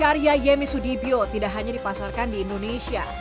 karya yemi sudibyo tidak hanya dipasarkan di indonesia